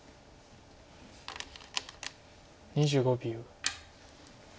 ２５秒。